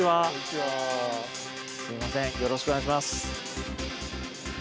すみません、よろしくお願いします。